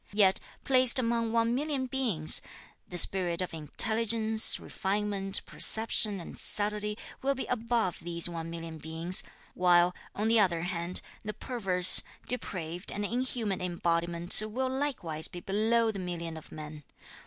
Yet placed among one million beings, the spirit of intelligence, refinement, perception and subtlety will be above these one million beings; while, on the other hand, the perverse, depraved and inhuman embodiment will likewise be below the million of men.